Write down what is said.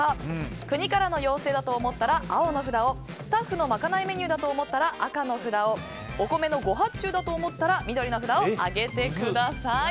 国からの要請だと思ったら青の札をスタッフのまかないメニューだと思ったら赤の札をお米の誤発注だと思ったら緑の札を上げてください。